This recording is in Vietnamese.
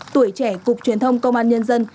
tuổi trẻ cục truyền thông công an nhân dân